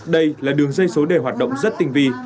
đây là đường dây số đề hoạt động rất tinh vi